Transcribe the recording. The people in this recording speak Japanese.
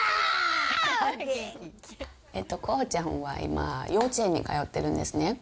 こうちゃんは今、幼稚園に通ってるんですね。